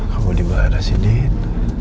kamu di mana sih nien